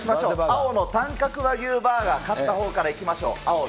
青の短角和牛バーガー、勝ったほうからいきましょう。